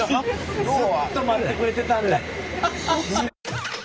ずっと待ってくれてたんだ。